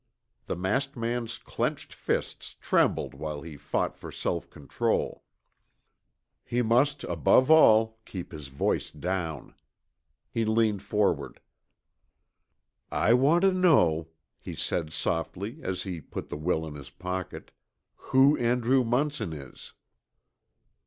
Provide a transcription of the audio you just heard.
The masked man's clenched fists trembled while he fought for self control. He must, above all, keep his voice down. He leaned forward. "I want to know," he said softly as he put the will in his pocket, "who Andrew Munson is."